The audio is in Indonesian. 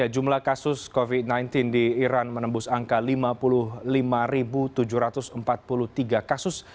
jumlah kasus covid sembilan belas di iran menembus angka lima puluh lima tujuh ratus empat puluh tiga kasus